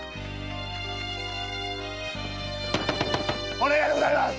お願いでございます！